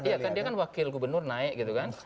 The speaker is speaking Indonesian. iya kan dia kan wakil gubernur naik gitu kan